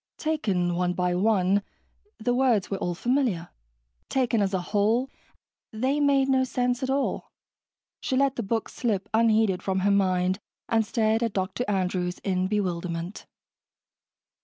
Taken one by one, the words were all familiar taken as a whole, they made no sense at all. She let the book slip unheeded from her mind and stared at Dr. Andrews in bewilderment.